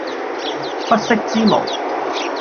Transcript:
不識之無